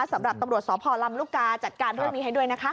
สำหรับตำรวจสพลำลูกกาจัดการเรื่องนี้ให้ด้วยนะคะ